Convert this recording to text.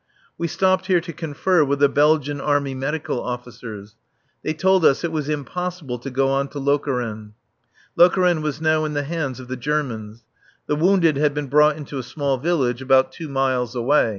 We stopped here to confer with the Belgian Army Medical officers. They told us it was impossible to go on to Lokeren. Lokeren was now in the hands of the Germans. The wounded had been brought into a small village about two miles away.